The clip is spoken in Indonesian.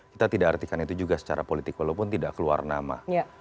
kita tidak artikan itu juga secara politik walaupun tidak keluar nama